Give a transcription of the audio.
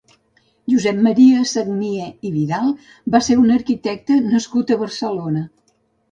Josep Maria Sagnier i Vidal va ser un arquitecte nascut a Barcelona.